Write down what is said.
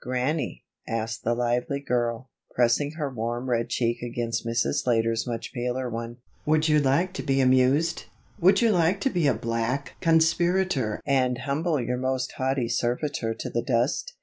"Grannie," asked the lively girl, pressing her warm red cheek against Mrs. Slater's much paler one, "would you like to be amused? Would you like to be a black conspirator and humble your most haughty servitor to the dust?